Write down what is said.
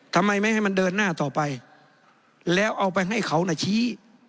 ทำไมไม่ให้มันเดินหน้าต่อไปแล้วเอาไปให้เขาน่ะชี้